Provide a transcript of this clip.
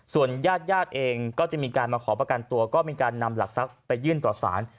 ส่วนญาติญาติเองก็จะมีการมาขอประกันตัวก็มีการนำหลักทรัพย์ไปยื่นต่อสาร